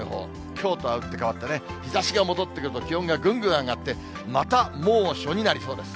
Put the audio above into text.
きょうとは打って変わってね、日ざしが戻ってくると気温がぐんぐん上がって、また猛暑になりそうです。